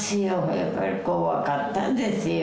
やっぱり怖かったんですよ。